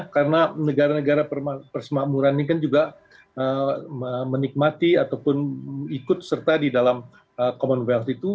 karena negara negara persemakmuran ini kan juga menikmati ataupun ikut serta di dalam commonwealth itu